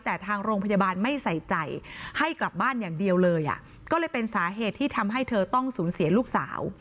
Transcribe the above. แต่ทางโรงพยาบาลไม่ใส่ใจให้กลับบ้านอย่างเดียวเลยอ่ะก็เลยเป็นสาเหตุที่ทำให้เธอต้องสูญเสียลูกสาว